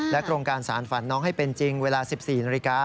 โครงการสารฝันน้องให้เป็นจริงเวลา๑๔นาฬิกา